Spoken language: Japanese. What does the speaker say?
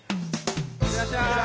・いってらっしゃい！